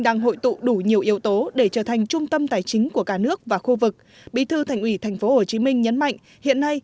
đang hội tụ đủ nhiều yếu tố để trở thành trung tâm tài chính của cả nước và khu vực bí thư thành hủy thành phố hồ chí minh nhấn mạnh hiện nay